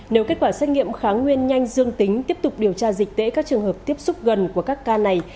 nếu kết quả xét nghiệm kháng nguyên nhanh dương tính tiếp tục điều tra dịch tễ các trường hợp tiếp xúc gần của các ca này